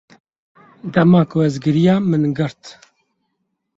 Dema ku ez giriyam min girt.